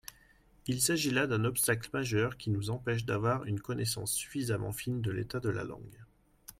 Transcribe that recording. Il s’agit là d’un obstacle majeur qui nous empêche d’avoir une connaissance suffisamment fine de l’état de la langue.